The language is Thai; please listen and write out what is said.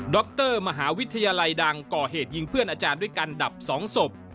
รมหาวิทยาลัยดังก่อเหตุยิงเพื่อนอาจารย์ด้วยกันดับ๒ศพ